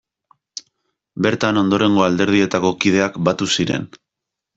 Bertan ondorengo alderdietako kideak batu ziren.